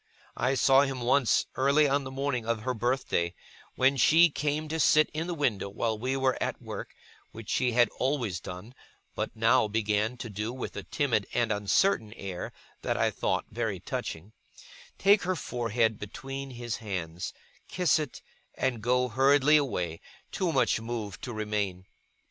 I saw him once, early on the morning of her birthday, when she came to sit in the window while we were at work (which she had always done, but now began to do with a timid and uncertain air that I thought very touching), take her forehead between his hands, kiss it, and go hurriedly away, too much moved to remain.